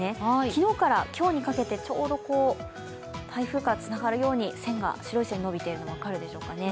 昨日から今日にかけてちょうど、台風からつながるように白い線が延びているのが分かるでしょうかね。